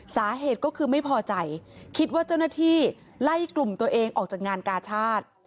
สาเหตุก็คือไม่พอใจคิดว่าเจ้าหน้าที่ไล่กลุ่มตัวเองออกจากงานกาชาติ